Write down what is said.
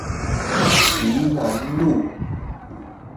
旗楠路